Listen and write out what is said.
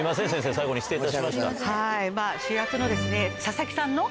最後に失礼いたしました。